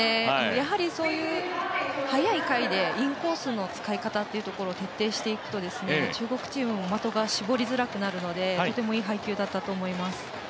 やはり、そういう早い回でインコースの使い方というところ徹底していくと中国チームも的が絞りづらくなるのでとてもいい配球だったと思います。